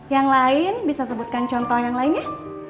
yang lain bisa sebutkan contoh yang lain ya